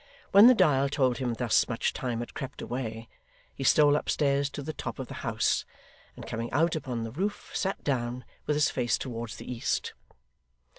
When the dial told him thus much time had crept away, he stole upstairs to the top of the house, and coming out upon the roof sat down, with his face towards the east.